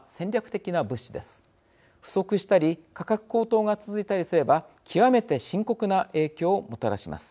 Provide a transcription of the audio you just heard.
不足したり価格高騰が続いたりすれば極めて深刻な影響をもたらします。